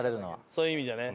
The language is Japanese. そういう意味じゃね。